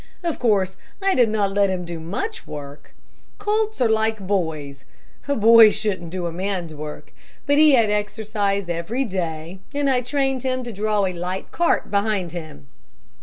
Of course, I did not let him do much work. Colts are like boys a boy shouldn't do a man's work, but he had exercise every day, and I trained him to draw a light cart behind him.